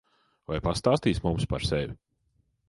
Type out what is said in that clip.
Vai pastāstīsi mums par sevi?